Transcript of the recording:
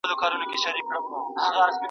موږ باید په دغه ابدي سکون کې همداسې پاتې شو.